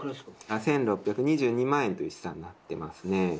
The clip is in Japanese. １６２２万円という試算になっていますね。